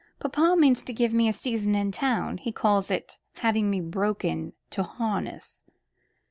Papa means to give me a season in town. He calls it having me broken to harness.